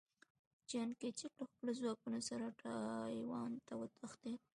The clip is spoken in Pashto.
چیانکایچک له خپلو ځواکونو سره ټایوان ته وتښتېد.